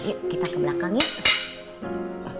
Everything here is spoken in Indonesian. yuk kita ke belakang yuk